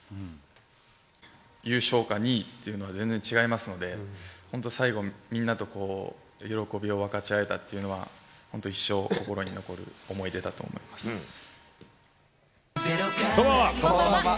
優勝か２位っていうのは全然違いますので、ほんと、最後、みんなと喜びを分かち合えたっていうのは、本当一生、心に残る思こんばんは。